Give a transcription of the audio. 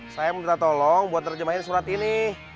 saya minta tolong buat terjemahin surat ini